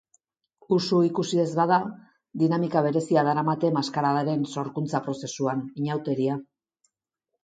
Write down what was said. Usu ikusi ez bada, dinamika berezia daramate maskaradaren sorkuntza prozesuan, ihauteria hizkuntzatik landurik, euskaratik.